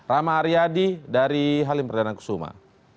rama aryadi dari halim perdana kusuma